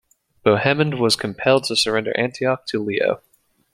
Bohemond was compelled to surrender Antioch to Leo.